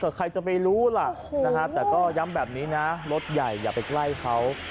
แต่ใครจะไปรู้ล่ะนะฮะแต่ก็ย้ำแบบนี้นะรถใหญ่อย่าไปใกล้เขา